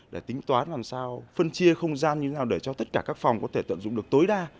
để tính toán làm sao phân chia không gian như thế nào để cho tất cả các phòng có thể tận dụng được tối đa